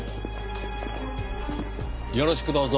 よろしくどうぞ。